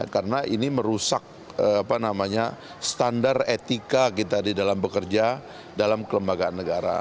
karena ini merusak standar etika kita di dalam bekerja dalam kelembagaan negara